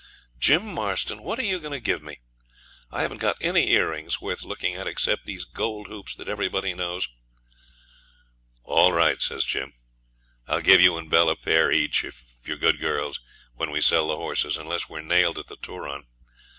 Jim Marston, what are you going to give me? I haven't got any earrings worth looking at, except these gold hoops that everybody knows.' 'All right,' says Jim. 'I'll give you and Bell a pair each, if you're good girls, when we sell the horses, unless we're nailed at the Turon.